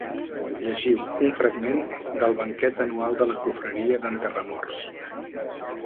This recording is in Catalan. Llegiu un fragment d’El banquet anual de la confraria d’enterramorts.